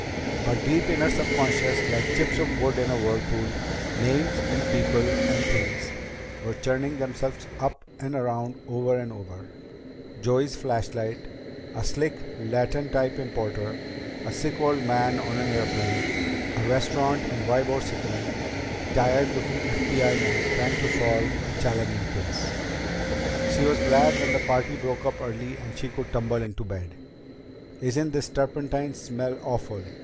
But deep in her subconscious, like chips of wood in a whirlpool, names and people and things were churning themselves up and around and over and over Joey's flashlight, a slick Latin type importer, a sick old man on an airplane, a restaurant in Ybor City, a tired looking FBI man trying to solve a challenging case. She was glad when the party broke up early and she could tumble into bed. "Isn't this turpentine smell awful?"